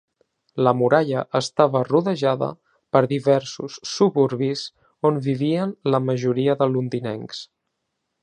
La muralla estava rodejada per diversos suburbis on vivien la majoria de londinencs.